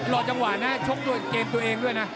รอจังหวะนะชกด้วยเกมตัวเองด้วยนะ